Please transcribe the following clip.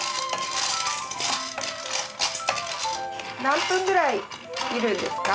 何分ぐらい煎るんですか？